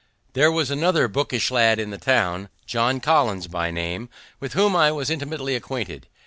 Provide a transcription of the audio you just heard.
There was another bookish lad in the town, John Collins by name, with whom I was intimately acquainted.